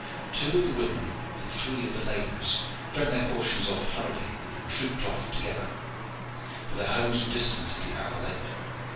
Two of the woodmen and three of the laborers drank their portions off hurriedly and trooped off together, for their homes were distant and the hour late.